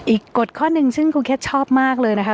กฎข้อหนึ่งซึ่งครูเคสชอบมากเลยนะคะ